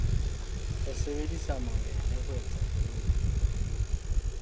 Re sebedisa mabele ho etsa folouru.